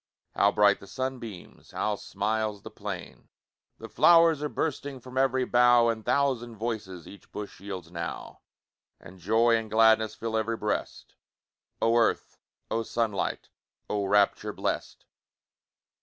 How bright the sunbeams! How smiles the plain! The flow'rs are bursting From ev'ry bough, And thousand voices Each bush yields now. And joy and gladness Fill ev'ry breast! Oh earth! oh sunlight! Oh rapture blest!